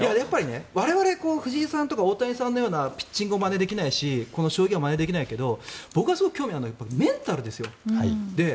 我々、藤井さんとか大谷さんのようなピッチングをまねできないし将棋をまねできないけど僕は興味あるのがメンタルですよ。